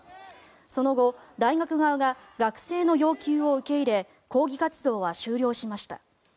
その後、大学側が学生の要求を受け入れ抗議活動は終了しました。